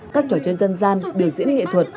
các trò chơi dân gian biểu diễn nghệ thuật